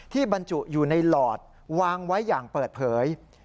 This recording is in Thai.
บรรจุอยู่ในหลอดวางไว้อย่างเปิดเผย